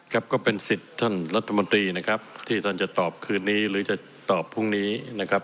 ก็เป็นสิทธิ์ท่านรัฐมนตรีนะครับที่ท่านจะตอบคืนนี้หรือจะตอบพรุ่งนี้นะครับ